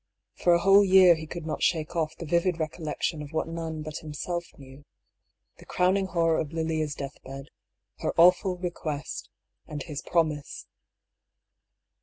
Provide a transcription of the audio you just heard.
For a whole year he could not shake off the vivid recollec 11 156 DR. PAULL'S TnEORY. tion of what none bat himself knew — ^the crowning horror of Lilia's death bed, her awful request, and his promise.